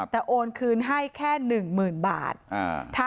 แต่โอนคืนให้แค่หนึ่งหมื่นบาท